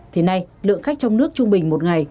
thì nay lượng khách trong nước trung bình một ngày